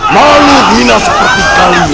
malu minah seperti kamu